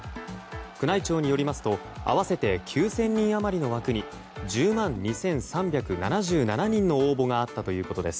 宮内庁によりますと合わせて９０００人余りの枠に１０万２３７７人の応募があったということです。